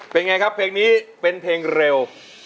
เป็นไงครับเพลงนี้เป็นเพลงเร็ว